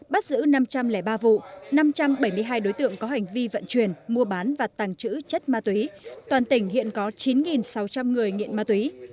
bắt giữ năm trăm linh ba vụ năm trăm bảy mươi hai đối tượng có hành vi vận chuyển mua bán và tàng trữ chất ma túy toàn tỉnh hiện có chín sáu trăm linh người nghiện ma túy